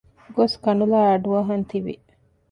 ގޮސް ކަނުލާ އަޑުއަހަން ތިވި